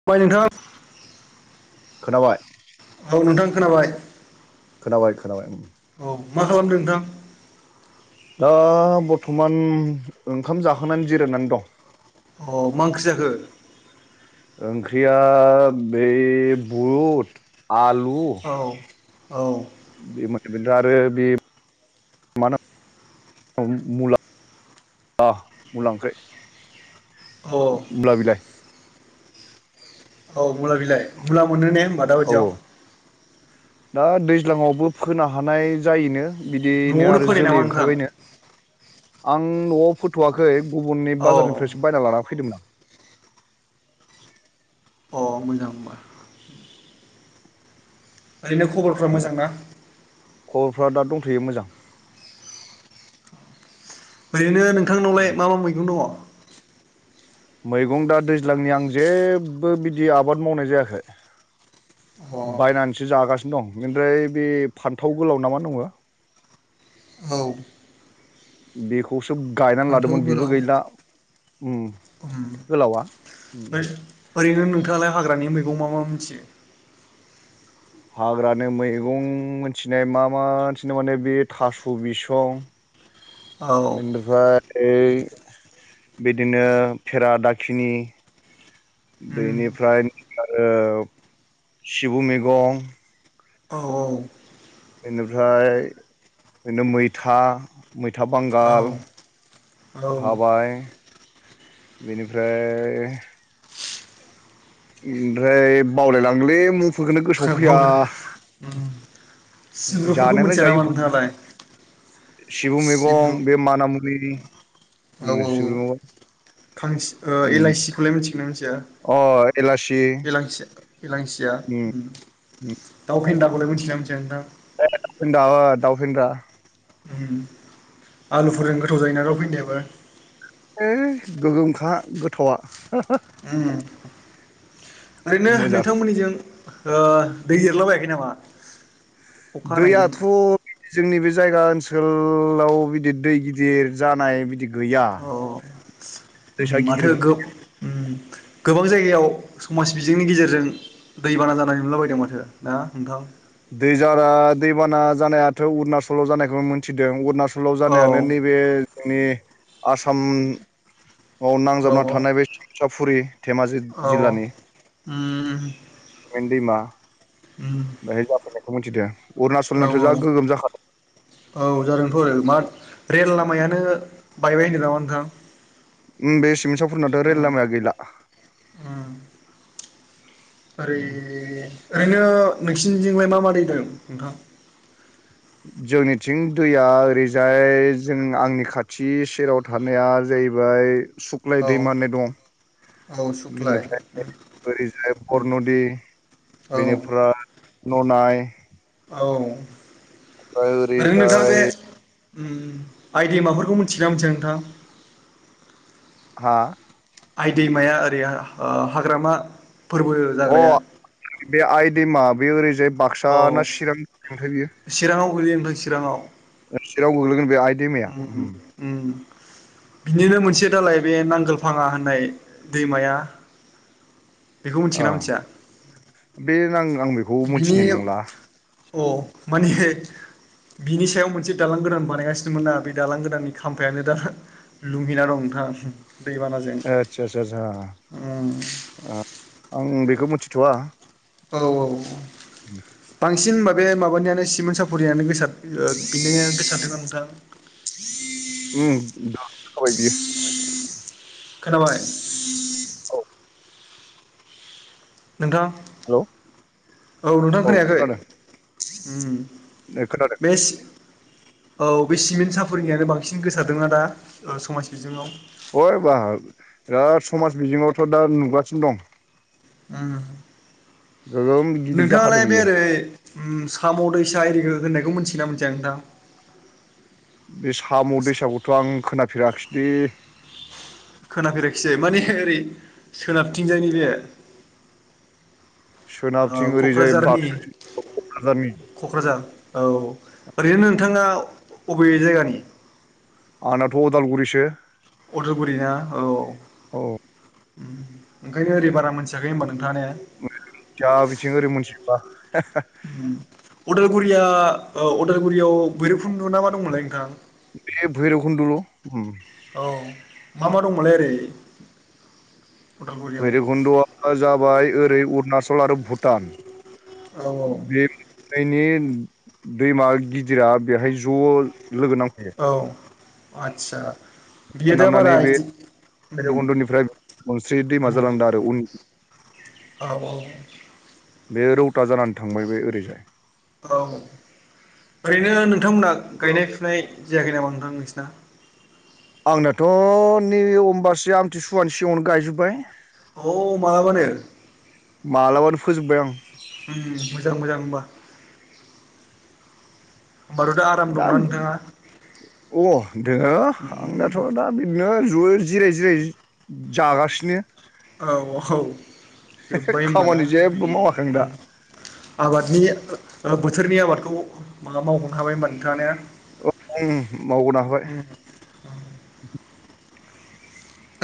[unintelligible] नोंथाङा खोनाबाय औ नोंथां खोनाबाय। खोनाबाय खोनाबाय। औ मा खालामदों नोंथां? दा बरथमान ओंखाम जाखांनानै जिरायनानै दं। अ मा ओंख्रि जाखो? ओंख्रिया बै बुद आलु औ औ। [unintelligible] आरो बे मा मुला मुला ओंख्रै औ मुला बिलाइ औ मुला बिलाइ मुला मोनो ने दा औ बायदियाव दा दैज्लाङावबो फोनो हानाय जायोनो। बिदियैनो न'आवनो आरो फोनाय जोलै नामा नोंथां ओंखारबायनो। आं न'आव फोथ'वाखै गुबुननि औ बाजारनिफ्रायसो बायना लाना फैदोंमोन आं। [inaudible] अ मोजां होनबा। ओरैनो खबरफोरा मोजां ना? खबरफ्रा दा दंथ'यो मोजां। बेनो नोंथांनावलाय मा मा मैगं दङ? मैगं दा दैज्लांनि आं जेबो बिदि आबाद मावनाय जायाखै। अ बायनानैसो जागासिनो। दं बेनिफ्राय बे फान्थाव गोलाव नाामा दङ औ बेखौसो गायनानै फान्थाव लादोंमोन बिबो गोलाव गैला उम गोलावा ओरैनो नोंथाङालाय हाग्रानि मैगं मा मा मिथियो हाग्रानि मैगं मिथिनाय मा माथिनो माने बे थास' बिसं औ इनिफ्राय ओइ बिदिनो फेरा दाखिनि उम बेनिफ्राय आरो सिबु मैगं औ औ बेनिफ्राय बिनो मैथा मैथा औ बांगाल औ थाबाय बेनिफ्राय ओमफ्राय बावलायलांगोलै मुंफोरखौनो गोसोआव फैया सिंब्रुफोरखौ जानायालाय मिथिया नामा नोंथाङालाय सिबु सिब्रु मैगं बे औ मानामुनि औ औ खां उम एलाइसि खौलाय मिथिगोनना मिथिया अ एलासि एलांसिया एलांसिया उम उम दाउ फेन्दाखौलाय मिथिगोना मिथि दा-दाउ फेन्दा उम आलुफोरजों गोथाव जायोना दाव फैनदायाबो ओइ गोगोमखा गोथावआ उम ओरैनो नोंथांमोननिजों ओ दै एरलाबायाखै नामा अखा हानायजों? दैयाथ' जोंनि बे जायगा ओनसोलाव बिदि दै गिदिर जानाय बिदि गैया [inaudible] दैसा माथो गिदिरबो गो-गोबां जायगायाव समाज बिजोंनि गेजेरजों दैबाना जानाय नुलाबायदों माथो ना नोंथां दैजारा दैबाना जानायाथ' अरुणनाचलाव जानायखौ मिथिदों अरुणचल सोलाव औ जानायानो नैबे जोंनि आसाम आव औ नांजाबना थानाय बे साफुरि धेमाजि औ औ जिल्लानि उम मेन दैमा उम बेहाय जाफैनायखौ मिथिदों‌ औ अरुणाचलनाथ' औ जा गोगोम जाखादों औ जादोंथ' आरो मा रेल लामायानो बायबाय होनदों नामा नोंथां बे सिमेन साप'रिनाथ' रेल उम लामाया गैला उम ओरै उम ओरैनो नोंसिनिजोंलाय मा मा दै दं नोंथां? जोंनिथिं दैया ओरैजाय जों आंनि खाथि सेराव थानाया जो हैबाय सुख्लाय औ दैम होननाय दं। औ सुख्लाय बेनिफ्राय ओरैजाय बरनदि औ बेनिफ्राय ननाय औ ओमफाय ओरैनो नोंथाङा बे ओरैजाय आइ दैमाफोरखौ मिथिगोना मिथिया नोंथां हा? आइ दैमाया ओरै ओ हाग्रामा फोरबो अ जाग्राया बे आइदैमा बे ओरैजाय बाक्सा औ ना चिरांथाय बियो चिराङाव गोलैयो नोंथां चिराङाव चिरां गोग्लैगोन बे आइ उम उम उम बिनिनो मोनसे दालाय बे नांगोलफाङा होननाय दैमाया [inaudible] अ मिथिगोना मिथिया बे नांगो बिनि अ माने बिनि सायाव मोनसे दालां गोदान बानायगासिनोमोन ना बे दालां गोदाननि खाम्फायानो दा लुंगिना दं नोंथां दैबानाजों आदसा आदसा उम ओ आं बेखौ मिथिथ'वा औ औ उम बांसिन माबे माबानियानो सिमेन्ट सापरियानो गोसार ओ बिनिनो गोसारदों ना नोंथां उम दा खाबाय बियो खोनाबाय? औ नोंथां हेलौ औ नोंथां खोनायाखै? दे खोनादों बे औ बे सिमेन्ट सापरिनानो बांसिन गोसारदों ना दा समाज बिजोङाव ओइ बाह बिराद समाज बिजोङावथ' दा नुगासिनो दं उम गोगोम गिदिर नोंथाङालाय जाखादों बे बियो ओरै उम साम' दैसा आरिखौ होननायखौ मिथियोना मिथिया नोंथां बे साम' दैसाखौथ' आं खोनाफेराखिसैदै खोनाफेराखिसै माने ओरै सोनाबथिंजायनि बे सोनाबथिं ओरैजाय क'क्राझारनि बाक्सा हादारनि क'क्राझार औ ओरैनो नोंथाङा अबे जायगानि आंनाथ' अदालगुरिसो उदालगुरि ना औ औ उम ओंखायनो ओरै बारा मोनथियाखै होनोमबा नों जा बिथिं ओरै मिथिजोबा लगुरिया अदालगुरियाव बैरबखुन्द दङ ना मा दंमोनलाय नोंथां बे भैरबखुन्दल' उम औ मा मा दंमोनलाय ओरै अदालगुरियाव भैरबखुन्द'आ जाबाय ओरै अरुणाचल आरो भुटान औ औ बैनि दैमा गिदिरा बेहाय ज' लोगो नांफैयो औ आदसा बियो दा बारा नांनानै बे इदि [inaudible] भैरबखुन्द'निफ्राय मोनस्रि दैमा जालांदों आरो उन बे रौता जानानै थांबाय बे ओरैजाय औ ओरैनो नोंथांमोना गायनाय फुनाय जायाखै नामा नोंथां नोंसिना आंनाथ' नैबे अमबासि आमथिसुवानि सिगाङावनो गायजोब्बाय औ मा मानो मालाबानो फोजोबबाय आं मोजां मोजां होमबा होमबाथ' आराम दा दंना नोंथाङा अ दोङो आंनाथ दा बिदिनो ज'यै जिराय जिराय जागासिनो औ औ जोब्बाय होमबा ना खामानि जेबो मावाखै आं दा आबादनि बोथोरनि आबादखौ मावगनो हाबाय होनबा नोंथाङा ने औ मावग'नो हाबाय उम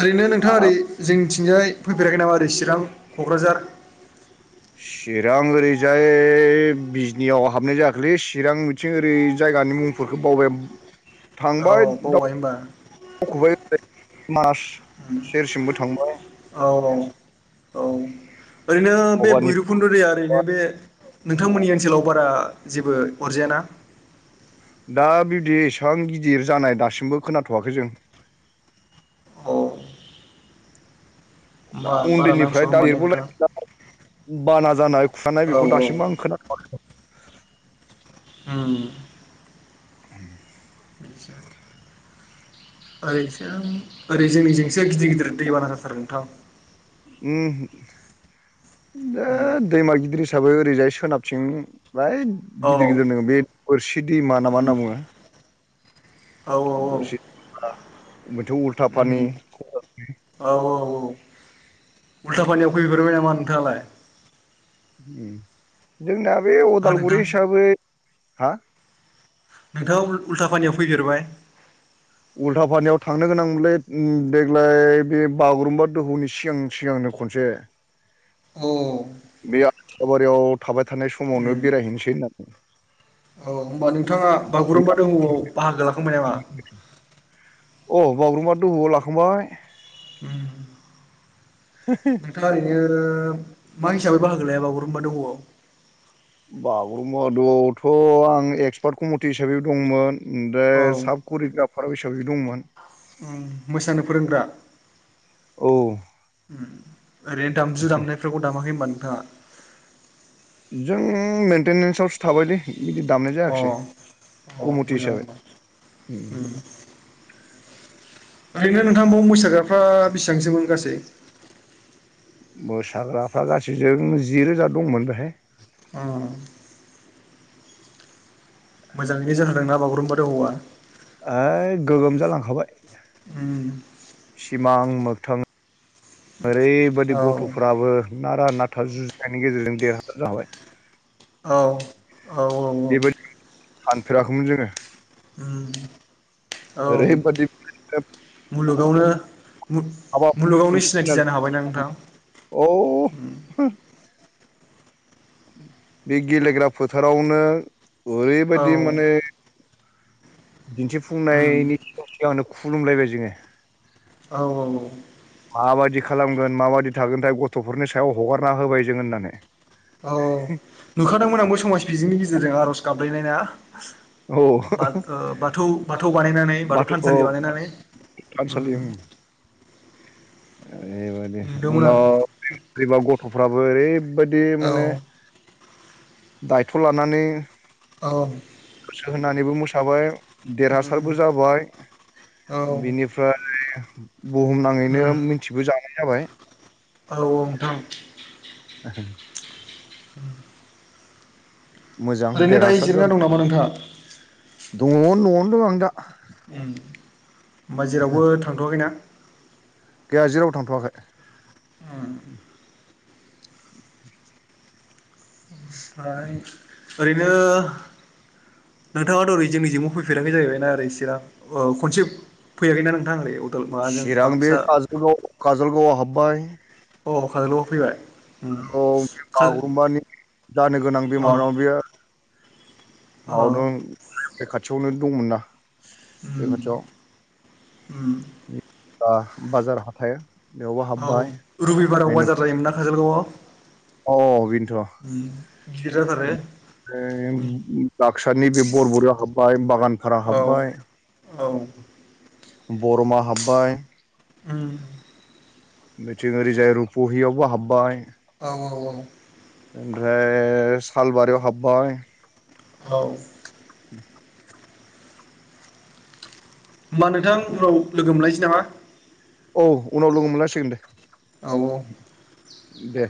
ओरैनो नोंथाङा ओरै जोंनिथिंजाय फैफेराखै नामा ओरै चिरां क'क्राझार चिरां ओरैजाय बिजनियाव हाबनाय जायाखैलै चिरां बिथिं ओरैजाय जायगानि मुंफोरखौ बावबाय औ थांबाय बावबाय होनबा [inaudible] मास उम सेरसिमबो थांबाय औ औ औ ओरैनो बे अबानि भैरबखुन्द दैया ओरैनो बे नोंथांमोननि ओनसोलाव बारा जेबो अरजाया ना दा बिदि एसां गिदिर जानाय दासिमबो खोनाथ'वाखै जों होमबा बारा नांस'आ उन्दैनिफ्राय दा होमबा ने नोंथां देरबोलाय [inaudible] बाना जानाय खुरखानाय औ बेखौ दासिमबो आं खोनाथ'आखै। उ। [inaudible] आदसा ओरैसो ओरै जोंनिजोंसो गिदिर गिदिर दैबाना जाथारो नोंथां। उ दा उम दैमा गिदिर हिसाबै ओरैजाय सोनाबथिं औ गिदिर गिदिर नो बे बोरसि दैमा ना मा उम होनना बुङो। औ औ औ। बोरसि मोनसे उल्था फानि उ औ औ औ। उल्था पानियाव फैफ्रबाय नामा नोंथाङालाय? जोंनाया बे हा अदालगुरि नोंथां हिसाबै हा? नोंथाङा उल्थाफानियाव फैफेरबाय? उल्था फानियाव थांनो गोनांमोनलै देग्लाय बे बागुरुम्बा दोहौनि सिगां सिगांनो। आ खनसे औ। बे आबारियाव थाबाय थानाय समावनो बेरायहैनोसै। औ होमबा नोंथाङा बागुरुम्बा दोहौआव बाहागो लाखांबाय नामा? अ बागुरुम्बा दोहौआव लाखांबाय। नोंथाङा ओरैनो मा हिसाबै बाहागो लाया बागुरुम्बा दोहौआव? बागुरुम्बा दोहौआव थ' आं एक्सपार्ट कमिटि हिसाबै दंमोन। ओनदे औ साब करिग्राफार हिसाबै दंमोन। उ मोसानो फोरोंग्रा? औ उ ओरैनो दामजु दामनायफोरावबो दामाखै होम्बा नोंथाङा? जों मेन्टेनेन्सआवसो थाबाय दे। बिदि दामनाय अ जायाखिसै अ कमिथि मोजां हिसाबै। होमबा उम ओरैनो नोंथां बाव मोसाग्राफ्रा बेसेबांसोमोन गासै? मोसाग्राफ्रा गासैजों जि रोजा दंमोन बेहाय। औ। मोजाङैनो जाहोदोंना बागुरुम्बा दोहौवा? ओइ गोगोम जालांखाबाय उम सिमां मोगथां ओरैबायदि औ गथ'फ्राबो नारा नाथा जुजिनायनि गेजेरजों देरहासार जाबाय। औ औ औ बेबायदि औ सानफेराखैमोन जोङो। उम औ ओरैबादि मुलुगावनो मुलुगावनो सिनायथि जानो हाबायना नोंथां? अ उम बे गेलेग्रा फोथारावनो औ ओरैबायदि माने उम दिन्थिफुंनायनि सिगां सिगां‌नो खुलुमलायबाय जोङो। औ औ। माबायदि खालामगोन माबायदि थागोनथाय गथ'फोरनि सायाव हगारना होबाय जोङो होननानै औ नुखादोंमोन आंबो समाज बिजोंनि गेजेरजों आर'ज गाबलायनाय ना? औ बा बाथौ बाथौ बानायनानै बाथौ थानसालि बानायनानै। थानसालि उम ओरैबादि नुदोंमोन उनाव बोरैबा गथ'फ्राबो ओरै बायदि आं माने औ दायथ' लानानै ओं। सो होनानैबो मोसाबाय उम देरहासारबो जाबाय औ बिनिफ्राय बुहुमनाङैनो मिथिबोजानाय जाबाय औ‌ औ नोंथां। [unintelligible] [inaudible] मोजां ओरैनो दायो देरहासार जिरायना जानाय दं नामा नोंथाङा? दङ न'आवनो दं आं दा उम होमबा जेरावबो थांथ'वाखैना? गैया जेराव थांथ'वाखै। ओमफ्राय ओरैनो नोंथाङाथ' ओरै जोंनि जोंबो फैफेराखै जाहैबायना आरोइ सिरां खनसे फैयाखै ना नोंथां? अदाल माबाजों चिरां बे बाक्सा कजलगाव काजलगावआव हाबबाय अ खाजल'गाव फैबाय उम औ काजो बागुरुम्बानि जानो गोनां अ बिमानाव बेयो अ बावनो बे खाथियावनो दंमोन ना बे उम खाथियाव उम आ बाजाराव हाथाय बेयावबो औ हाबबाय रबिबाराव बेनो बाजार जायोमोनना काजलगावआव अ बिनोथ' उम गिदिर जाथारो ओ उम बाक्सानि बे बरबुरियाव हाबबाय बागानफारा औ हाबबाय औ बर'मा हाबबाय उम बिथिं ओरिजाय रुप'हियावबो हाबबाय औ औ औ आमफ्राय सालबारियाव हाबबाय औ होमबा नोंथां उनाव लोगो मोनलायनोसै नामा औ उनाव लोगो मोनलांसिगोन दे औ दे